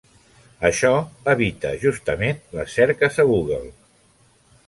Això evita, justament, les cerques a Google.